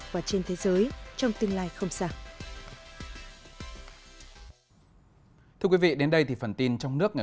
và trên thế giới trong tương lai không xa